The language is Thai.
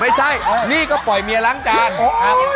ไม่ใช่นี่ก็ปล่อยเมียล้างจานครับ